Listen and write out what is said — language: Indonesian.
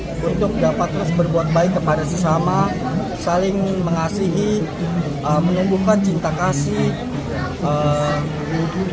untuk dapat terus berbuat baik kepada sesama saling mengasihi menumbuhkan cinta kasih